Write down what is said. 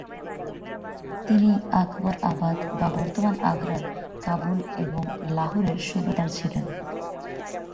তিনি আকবরআবাদ বা বর্তমান আগ্রার কাবুল এবং লাহোরের সুবাদার ছিলেন।